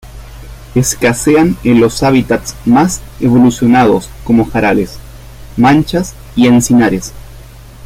Escasean en los hábitats más evolucionados como jarales, manchas y encinares.